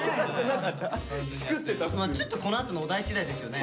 ちょっとこのあとのお題次第ですよね。